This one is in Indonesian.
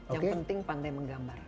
yang penting pandai menggambar